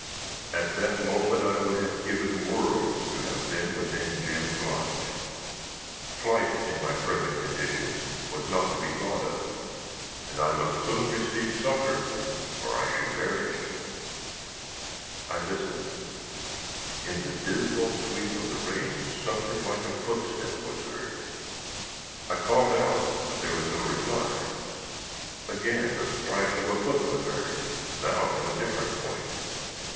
At that moment, I would have given worlds to have been within Jim's lodge. Flight, in my present condition, was not to be thought of, and I must soon receive succor or I should perish. I listened. In the dismal sweep of the rain something like a footstep was heard. I called out, but there was no reply. Again the splash of a foot was heard, now from a different point.